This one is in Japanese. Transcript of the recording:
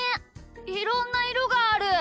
いろんないろがある。